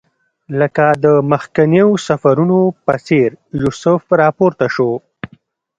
لکه د مخکنیو سفرونو په څېر یوسف راپورته شو.